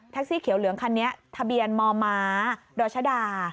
แท็กซี่เขียวเหลืองคันนี้ทะเบียนมมดชด